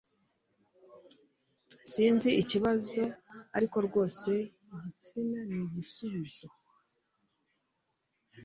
sinzi ikibazo, ariko rwose igitsina ni igisubizo - woody allen